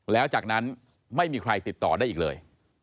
แล้วจากนั้นไม่มีใครติดต่อได้อีกเลย